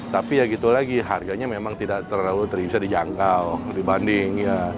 tapi ya gitu lagi harganya memang tidak terlalu bisa dijangkau dibanding ya